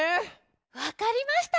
わかりました！